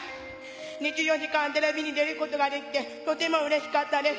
『２４時間テレビ』に出ることができて、とても嬉しかったです。